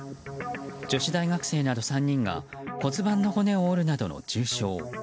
女子大学生など３人が骨盤の骨を折るなどの重傷。